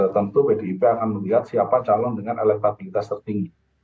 tentu pdip akan melihat siapa calon dengan elektabilitas tertinggi